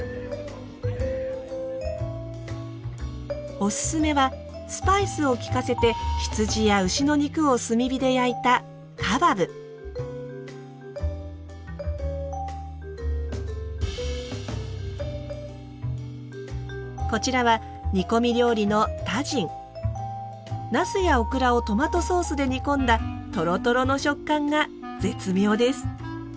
おすすめはスパイスを効かせて羊や牛の肉を炭火で焼いたこちらは煮込み料理のナスやオクラをトマトソースで煮込んだとろとろの食感が絶妙です。